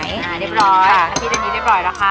อ๋อเรียบร้อยอภิษฎาอันนี้เรียบร้อยแล้วค่ะ